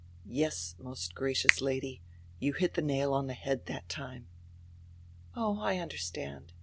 "Yes, most gracious Lady, you hit die nail on die head that time." "Oh, I understand.